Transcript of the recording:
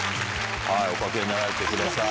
お掛けになられてください。